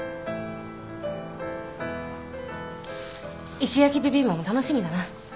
石焼きビビンバも楽しみだな。